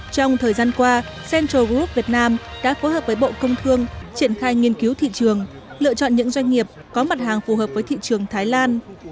trong thời gian qua central group việt nam đã phối hợp với bộ công thương triển khai nghiên cứu thị trường lựa chọn những doanh nghiệp có mặt hàng phù hợp với thị trường thái lan